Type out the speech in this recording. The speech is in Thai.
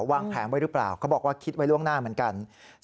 วางแผนไว้หรือเปล่าเขาบอกว่าคิดไว้ล่วงหน้าเหมือนกัน